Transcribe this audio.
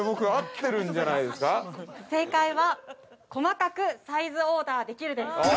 ◆正解は、細かくサイズオーダーできるです。